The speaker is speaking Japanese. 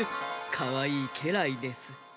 かわいいけらいです。